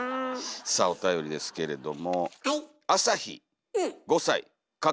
さあおたよりですけれども。